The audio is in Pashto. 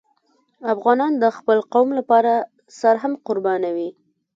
افغان د خپل قوم لپاره سر هم قربانوي.